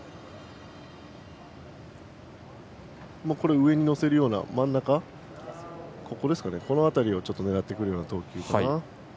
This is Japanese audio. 上に乗せるような、真ん中この辺りを狙ってくる投球かな。